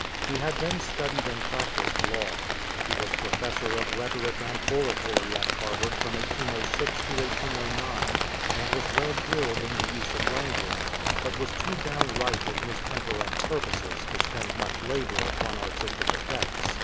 He had then studied and practiced law. He was Professor of Rhetoric and Oratory at Harvard from 1806 to 1809, and was well drilled in the use of language, but was too downright in his temper and purposes to spend much labor upon artistic effects.